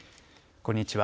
こんにちは。